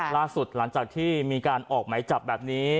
ล่าสุดหลังจากที่มีงานเฝ้าภารกิจออกแบบนี้